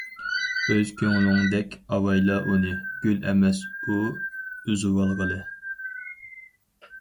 ئۆز كۆڭلۈڭدەك ئاۋايلا ئۇنى، گۈل ئەمەس ئۇ ئۈزۈۋالغىلى.